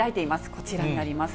こちらになります。